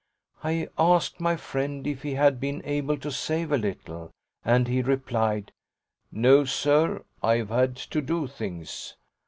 I asked my friend if he had been able to save a little, and he replied: "No, sir; I've had to do things."